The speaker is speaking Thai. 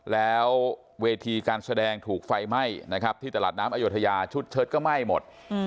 แล้วเวทีการแสดงถูกไฟไหม้ที่ตลาดน้ำอยวถญาชุดเชิญซ์ก็ไหม้หมด